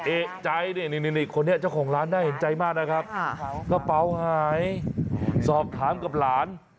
เอกใจเนี่ยเนี้ยนะครับกระเป๋าไหงสอบถามกับหลาน